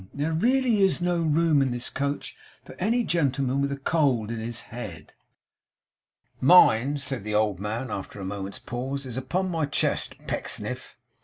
There is really no room in this coach for any gentleman with a cold in his head!' 'Mine,' said the old man, after a moment's pause, 'is upon my chest, Pecksniff.